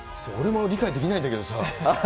俺も理解できないんだけどさ。